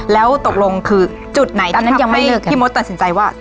แล้วตกลงคือจุดไหนอันนั้นยังไม่เลือกที่ทำให้พี่มดตัดสินใจว่า